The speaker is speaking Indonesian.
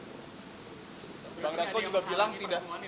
pak dasko juga bilang tidak